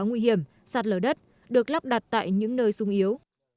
nguy hiểm sạt lở đất được lắp đặt tại những nơi sung yếu